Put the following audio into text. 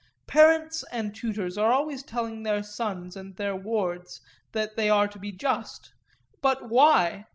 Parents and tutors are always telling their sons and their wards that they are to be just; but why?